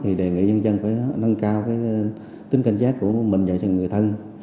thì đề nghị dân dân phải nâng cao tính cảnh giác của mình và cho người thân